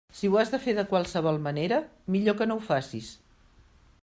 Si ho has de fer de qualsevol manera, millor que no ho facis.